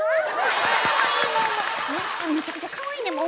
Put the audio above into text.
めちゃくちゃかわいいねんもう。